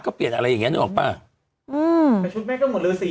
ก็เปลี่ยนอะไรอย่างเงี้นึกออกป่ะอืมแต่ชุดแม่ก็หมดเลยสิ